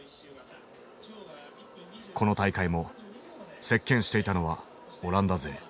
この大会も席けんしていたのはオランダ勢。